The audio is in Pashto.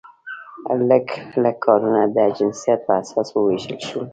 لږ لږ کارونه د جنسیت په اساس وویشل شول.